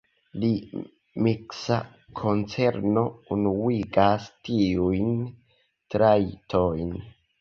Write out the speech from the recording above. La miksa konzerno unuigas tiujn trajtojn.